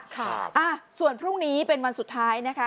ค่ะส่วนพรุ่งนี้เป็นวันสุดท้ายนะคะ